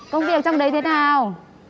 công việc trong đấy thế nào